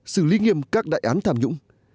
xử lý nghiêm các đại án tham nhũng